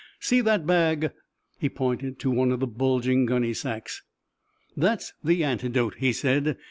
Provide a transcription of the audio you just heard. See that bag?" He pointed to one of the bulging gunny sacks. "That's the antidote," he said.